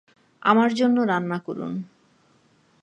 আমার জন্য রান্না করুন।